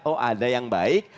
oh ada yang baik